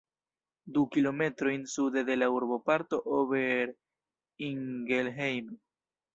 Du kilometrojn sude de la urboparto Ober-Ingelheim.